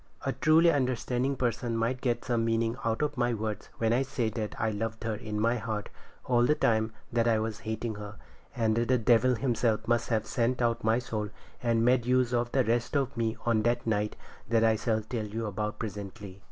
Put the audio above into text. A truly understanding person might get some meaning out of my words when I say that I loved her in my heart all the time that I was hating her; and the devil himself must have sent out my soul and made use of the rest of me on that night I shall tell you about presently.